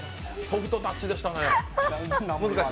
ソフトタッチでしたね。